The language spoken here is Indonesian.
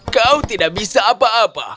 kau tidak bisa apa apa